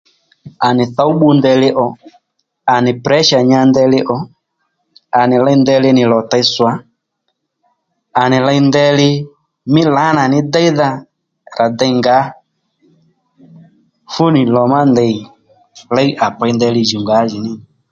À nì thǒw bbu ndeyli ò à nì pressure nya ndeyli ò à nì ley ndeyli nì lò tey swa à nì ley ndeyli mí lǎnà ní deydha rà dey ngǎ fú nì lò ma ndey léy kà pey ndèyli jùw ngǎjìní